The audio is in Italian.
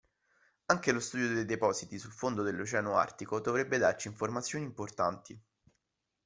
Anche lo studio dei depositi sul fondo dell'Oceano Artico dovrebbe darci informazioni importanti.